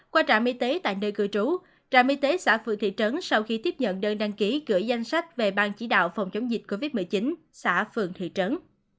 qua trạm y tế tại nơi cư trú trạm y tế xã phượng thị trấn sau khi tiếp nhận đơn đăng ký gửi danh sách về bang chỉ đạo phòng chống dịch covid một mươi chín xã phường thị trấn